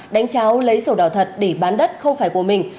đánh cháo lấy sổ đỏ thật để bán đất không phải của mình